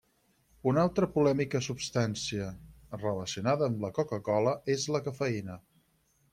Una altra polèmica substància relacionada amb la Coca-cola és la cafeïna.